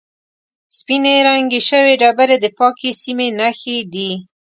سپینې رنګ شوې ډبرې د پاکې سیمې نښې دي.